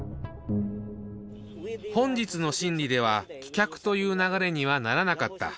本日の審理では、棄却という流れにはならなかった。